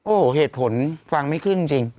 โอ้โหเหตุผลฟังไม่ขึ้นจริง